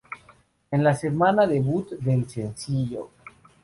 En la semana debut del sencillo.